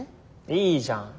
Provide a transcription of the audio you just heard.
いいじゃん。